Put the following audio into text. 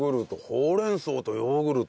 ほうれん草とヨーグルト？